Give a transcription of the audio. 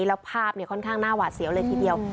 แล้วภาพค่อนข้างหน้าหวาดเสียวเลยทีเดียว